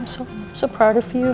saya sangat bangga dengan ibu